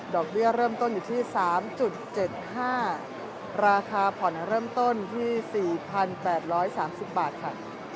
ดอกเบี้ยเริ่มต้นอยู่ที่สามจุดเจ็ดห้าราคาผ่อนเริ่มต้นที่สี่พันแปดร้อยสามสิบบาทค่ะ